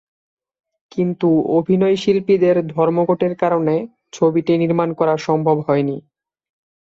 কিন্তু অভিনয়শিল্পীদের ধর্মঘটের কারণে ছবিটি নির্মাণ করা সম্ভব হয়নি।